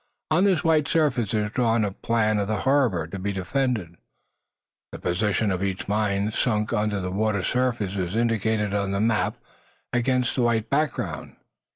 On this white surface is drawn a plan of the harbor to be defended. The position of each mine sunk under the water's surface is indicated on this map against the white background.